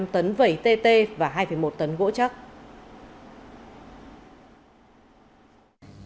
năm tấn vẩy tt và hai một tấn gỗ chắc